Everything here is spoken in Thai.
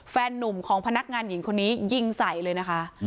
แฟนนุ่มของพนักงานหญิงคนนี้ยิงใส่เลยนะคะ